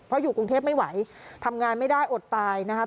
เพราะอยู่กรุงเทพไม่ไหวทำงานไม่ได้อดตายนะครับ